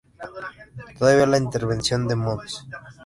Todavía la intervención de mons.